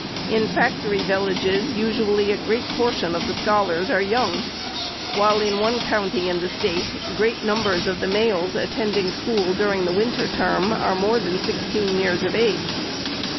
In factory villages, usu ally, a great portion of the scholars are young ; while, in one county in the State, great numbers of the males attending school, during the winter term, are more than sixteen years of age.